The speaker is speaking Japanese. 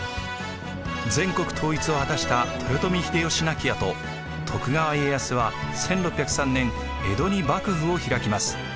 全国統一を果たした豊臣秀吉亡きあと徳川家康は１６０３年江戸に幕府を開きます。